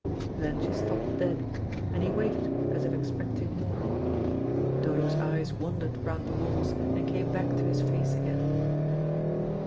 Then she stopped dead, and he waited as if expecting more. Dodo's eyes wandered round the walls and came back to his face again.